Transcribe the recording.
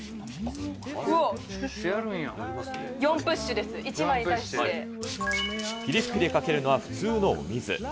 うわっ、４プッシュです、１枚に対して。霧吹きでかけるのは普通のお水。